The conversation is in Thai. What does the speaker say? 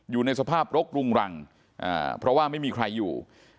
อยู่ในสภาพรกรุงรังเพราะว่าไม่มีใครอยู่